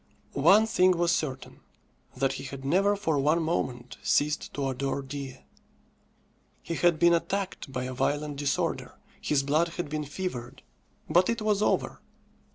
One thing was certain, that he had never for one moment ceased to adore Dea. He had been attacked by a violent disorder, his blood had been fevered; but it was over.